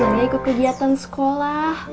neng belum nanya ikut kegiatan sekolah